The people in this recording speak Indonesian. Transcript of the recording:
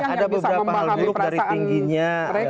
ada beberapa hal buruk dari tingginya